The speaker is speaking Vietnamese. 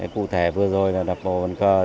cụ thể vừa rồi đập bò bàn cờ